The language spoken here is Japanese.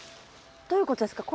どういうことですか？